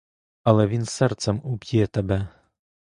Але він серцем уб'є себе.